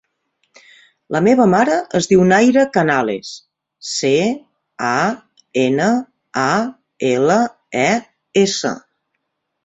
La meva mare es diu Nayra Canales: ce, a, ena, a, ela, e, essa.